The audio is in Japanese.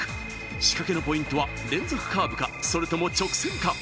仕掛けのポイントは、連続カーブか、それとも直線か。